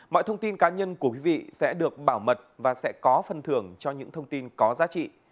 mọi thông tin cá nhân của quý vị sẽ được bảo mật và sẽ có phần thưởng cho những thông tin có giá trị